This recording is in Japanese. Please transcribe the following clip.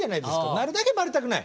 なるだけバレたくない。